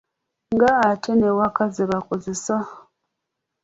Ng'ate n’ewaka zebakozesa?